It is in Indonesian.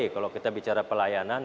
kalau kita bicara pelayanan